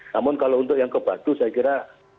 namun kalau untuk yang ke batu saya kira